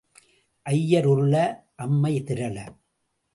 ஐயர் உருள அம்மை திரள.